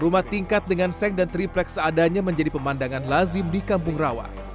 rumah tingkat dengan seng dan triplek seadanya menjadi pemandangan lazim di kampung rawa